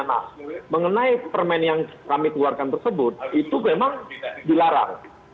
nah mengenai permen yang kami keluarkan tersebut itu memang dilarang